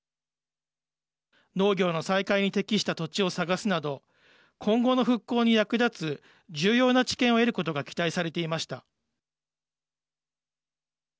農業の再開に適した土地を探すなど今後の復興に役立つ重要な知見を得ることが期待されていました。